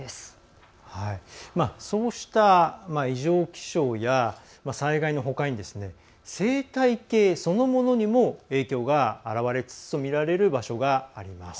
そうした異常気象や災害のほかに生態系そのものにも影響が現れつつあるとみられる場所があります。